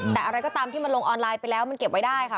แต่อะไรก็ตามที่มันลงออนไลน์ไปแล้วมันเก็บไว้ได้ค่ะ